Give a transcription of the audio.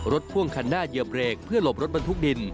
พ่วงคันหน้าเหยียบเบรกเพื่อหลบรถบรรทุกดิน